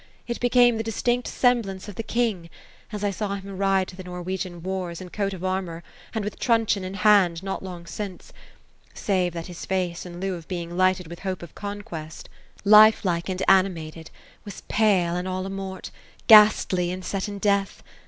It became the distinct semblance of the king, as I saw him ride to the Norwegian wars, in coat of armour, and with truncheon in hand, not long since ; save, that his face, in lieu of being lighted with hope of conquest, life 256 OPHELIA ; like, and animated, was pale and all amort — ^ghastly, and set in death.